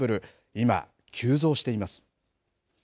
今、急増しています。